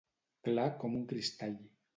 Clar com un cristall.